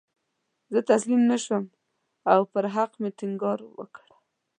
زه تسلیم نه شوم او پر حق مې ټینګار وکړ.